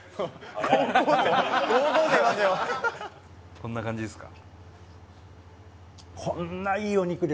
こんな感じですか？